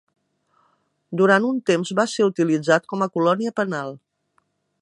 Durant un temps va ser utilitzat com a colònia penal.